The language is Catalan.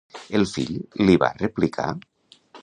El fill li va replicar?